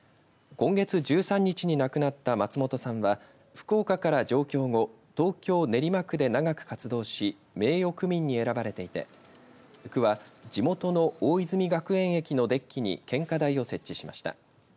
今月１３日に亡くなった松本さんは福岡から上京後東京、練馬区で長く活動し名誉区民に選ばれていて区は地元の大泉学園駅のデッキに献花台を設置しました。